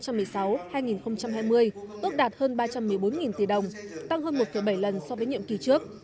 tốc độ tăng trưởng grdp bình quân đạt bốn bốn triệu đồng tăng hơn một bảy lần so với nhiệm kỳ trước